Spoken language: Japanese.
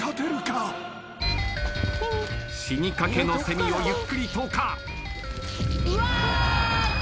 死にかけのセミをゆっくり投下。